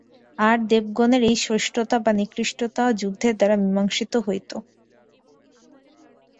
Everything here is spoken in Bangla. আর দেবগণের এই শ্রেষ্ঠতা বা নিকৃষ্টতা যুদ্ধের দ্বারা মীমাংসিত হইত।